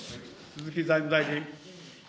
鈴木財務大臣。